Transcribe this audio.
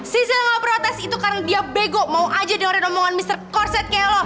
sisil gak protes itu karena dia bego mau aja dengerin omongan mr korset kayak lo